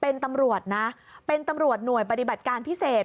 เป็นตำรวจนะเป็นตำรวจหน่วยปฏิบัติการพิเศษ